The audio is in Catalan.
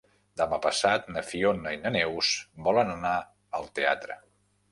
Demà passat na Fiona i na Neus volen anar al teatre.